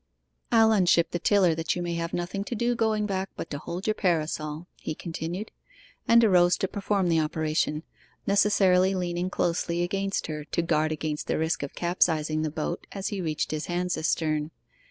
'I'll unship the tiller that you may have nothing to do going back but to hold your parasol,' he continued, and arose to perform the operation, necessarily leaning closely against her, to guard against the risk of capsizing the boat as he reached his hands astern.